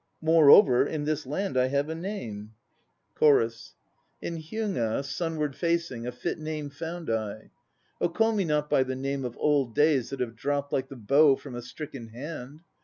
Moreover, in this land I have a name. 94 THE NO PLAYS OF JAPAN CHORUS. "In Hyuga sunward facing A fit name found I. Oh call me not by the name Of old days that have dropped Like the bow from a stricken hand!